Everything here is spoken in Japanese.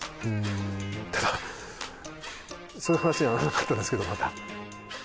ただそういう話にはならなかったですけどまた。